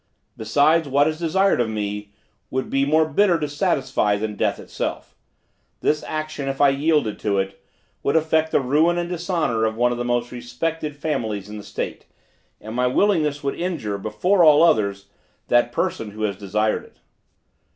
Besides, what is desired of me, would be more bitter to satisfy than death itself. This action, if I yielded to it, would effect the ruin and dishonor of one of the most respected families in the State, and my willingness would injure, before all others, that person who has desired it.